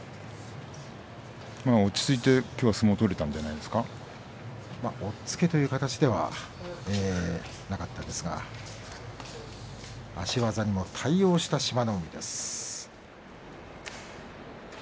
落ち着いてきょうは相撲が取れた押っつけという意味ではその形ではなかったんですが足技にも対応した志摩ノ海です。